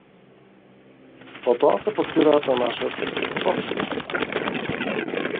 Во тоа се потпираат на нашиот софтвер.